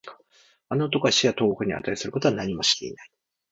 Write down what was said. あの男は死や投獄に値することは何もしていない